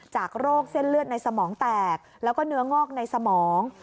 โรคเส้นเลือดในสมองแตกแล้วก็เนื้องอกในสมอง